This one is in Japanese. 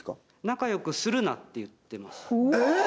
「仲良くするな」って言ってますえ！？